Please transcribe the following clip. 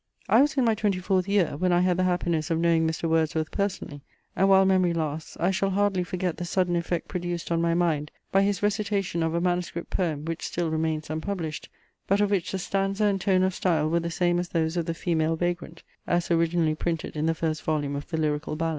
I was in my twenty fourth year, when I had the happiness of knowing Mr. Wordsworth personally, and while memory lasts, I shall hardly forget the sudden effect produced on my mind, by his recitation of a manuscript poem, which still remains unpublished, but of which the stanza and tone of style were the same as those of The Female Vagrant, as originally printed in the first volume of the Lyrical Ballads.